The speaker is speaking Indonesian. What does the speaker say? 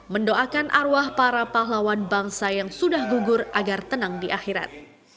mendoakan arwah para pahlawan bangsa yang sudah gugur agar tenang di akhirat